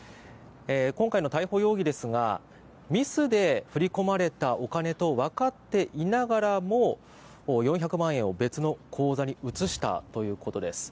今回の逮捕容疑ですがミスで振り込まれたお金とわかっていながらも４００万円を別の口座に移したということです。